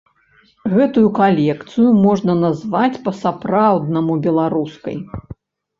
Гэтую калекцыю можна назваць па-сапраўднаму беларускай.